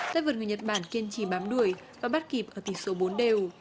đã vượt người nhật bản kiên trì bám đuổi và bắt kịp ở tỷ số bốn đều